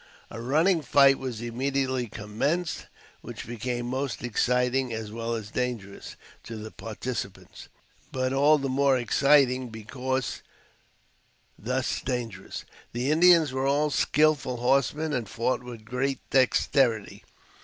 A running fight was immediately commenced which became most exciting, as well as dangerous, to the participants; but, all the more exciting because thus dangerous. The Indians were all skillful horsemen and fought with great dexterity.